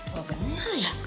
wah bener ya